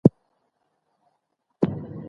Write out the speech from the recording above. د غوربند لوے خوړ بهېږي